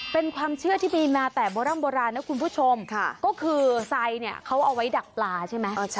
เป็นความเชื่อที่มีมาแต่โบร่ำโบราณนะคุณผู้ชมก็คือไซดเนี่ยเขาเอาไว้ดักปลาใช่ไหม